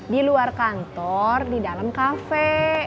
di luar kantor di dalam kafe